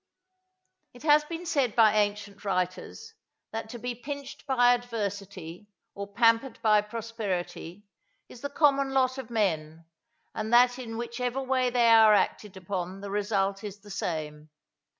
_ It has been said by ancient writers that to be pinched by adversity or pampered by prosperity is the common lot of men, and that in whichever way they are acted upon the result is the same.